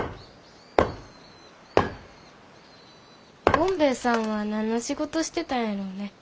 ゴンベエさんは何の仕事してたんやろね？